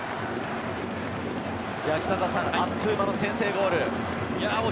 あっという間の先制ゴール。